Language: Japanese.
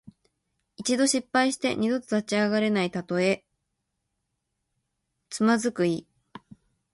一度失敗して二度と立ち上がれないたとえ。「蹶」はつまずく意。